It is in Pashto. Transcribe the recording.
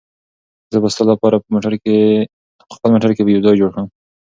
زه به ستا لپاره په خپل موټر کې یو ځای جوړ کړم.